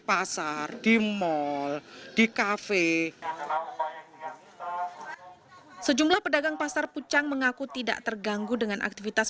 pasar di mal di kafe sejumlah pedagang pasar pucang mengaku tidak terganggu dengan aktivitas